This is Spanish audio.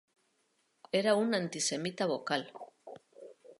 Era un antisemita vocal.